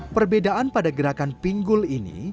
perbedaan pada gerakan pinggul ini